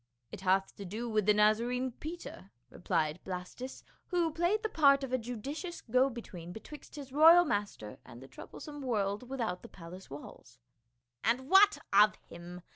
" It hath to do with the Nazarene Peter," replied Blastus, who played the part of a judicious go between betwixt his royal master and the troublesome world without the palace walls. " And what of him